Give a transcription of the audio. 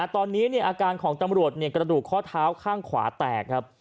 ตอนนี้อาการของตำรวจกระดูกข้อเท้าข้างขวาแตกครับ